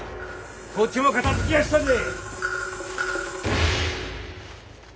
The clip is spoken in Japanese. こっちも片づきやしたぜ！